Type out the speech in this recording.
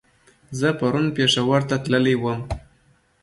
زه پرون پېښور ته تللی ووم